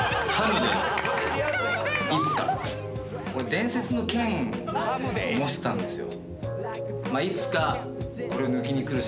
伝説の剣模したんですよ。